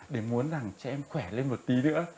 để muốn rằng trẻ em khỏe lên một tí nữa